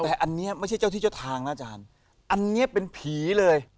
แต่อันนี้ไม่ใช่เจ้าที่เจ้าทางนะอาจารย์อันนี้เป็นผีเลย